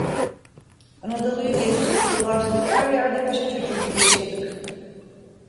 Anadolu'yu gezdik, dolaştık, her yerde paşa çocuğu gibi yaşadık.